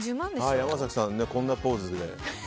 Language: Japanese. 山崎さん、こんなポーズで。